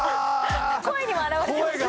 声にも表れてますね